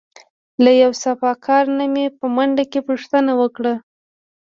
له یو صفاکار نه مې په منډه کې پوښتنه وکړه.